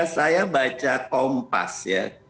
saya baca kompas ya